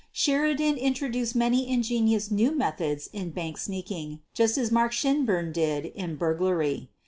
Sheridan introduced many ingenious new methods in "bank sneaking/ ' just as Mark Shinburn did in burglary.